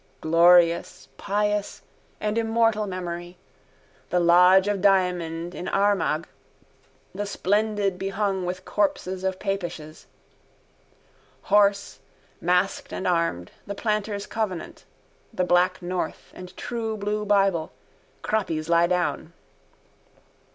Glorious, pious and immortal memory. The lodge of Diamond in Armagh the splendid behung with corpses of papishes. Hoarse, masked and armed, the planters' covenant. The black north and true blue bible. Croppies lie down.